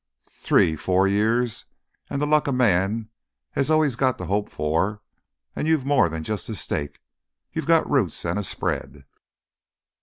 Three four years, an' th' luck a man has always got to hope for, an' you've more'n jus' a stake—you've got roots an' a spread!"